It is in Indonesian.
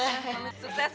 pamit sukses ya